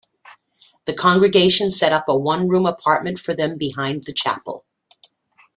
The congregation set up a one-room apartment for them behind the chapel.